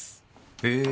へえ。